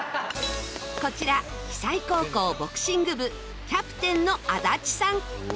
こちら久居高校ボクシング部キャプテンの安達さん。